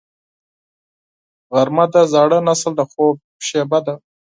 غرمه د زاړه نسل د خوب شیبه ده